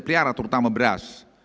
pelihara terutama beras